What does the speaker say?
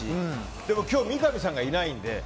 でも今日、三上さんがいないので。